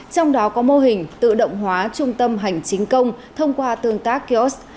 trong đó có mô hình tự động hóa trung tâm hành chính công thông qua tương tác kiosk